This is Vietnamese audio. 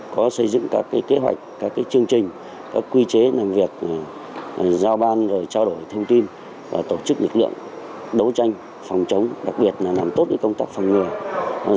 có xây dựng các kế hoạch các chương trình các quy chế làm việc giao ban trao đổi thông tin tổ chức lực lượng đấu tranh phòng chống đặc biệt là làm tốt công tập phòng người